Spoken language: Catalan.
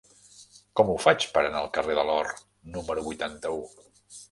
Com ho faig per anar al carrer de l'Or número vuitanta-u?